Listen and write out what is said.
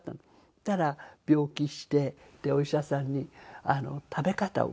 そしたら病気してお医者さんに食べ方を聞かれて。